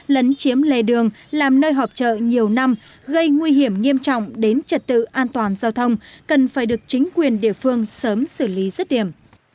lấn chiếm lề đường làm nơi họp chợ nhiều năm gây nguy hiểm nghiêm trọng đến trật tự an toàn giao thông cần phải được chính quyền địa phương sớm xử lý rứt điểm